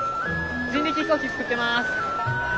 人力飛行機作ってます。